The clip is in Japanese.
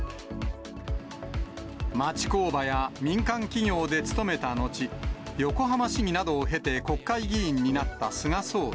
町工場や民間企業で勤めたのち、横浜市議などを経て国会議員になった菅総理。